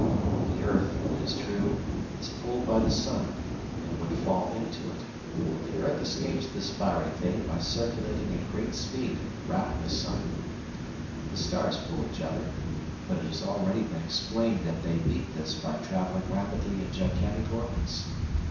The earth, it is true, is pulled by the sun, and would fall into it; but the earth escapes this fiery fate by circulating at great speed round the sun. The stars pull each other; but it has already been explained that they meet this by travelling rapidly in gigantic orbits.